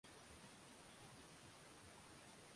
Roho zao umekaba, majumbani wachinjana,